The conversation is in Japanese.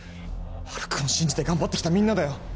ハルくんを信じて頑張ってきたみんなだよ